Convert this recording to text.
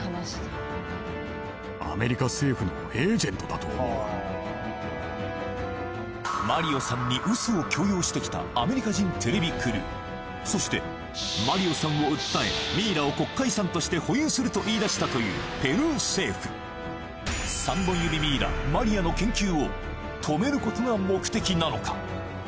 謎の車にひかれそうになったこともそしてマリオさんに嘘を強要してきたアメリカ人テレビクルーそしてマリオさんを訴えミイラを国家遺産として保有すると言いだしたというペルー政府３本指ミイラマリアの研究を止めることが目的なのか！？